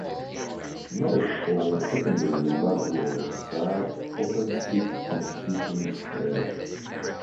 The left or secondary lateral facade opens to Constitution Square.